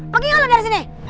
pergi gak lo dari sini